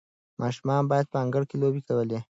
ماشومان په انګړ کې لوبې کولې.